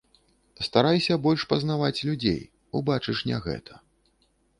Старайся больш пазнаваць людзей, убачыш не гэта.